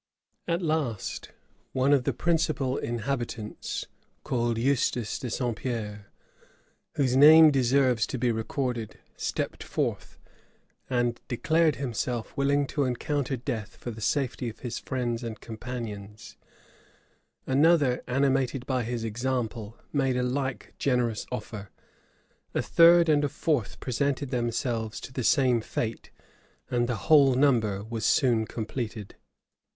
At last, one of the principal inhabitants, called Eustace de St. Pierre, whose name deserves to be recorded, stepped forth, and declared himself willing to encounter death for the safety of his friends and companions: another, animated by his example, made a like generous offer: a third and a fourth presented themselves to the same fate; and the whole number was soon completed.